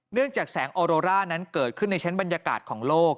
จากแสงออโรร่านั้นเกิดขึ้นในชั้นบรรยากาศของโลก